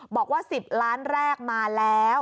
บอกว่า๑๐ล้านแรกมาแล้ว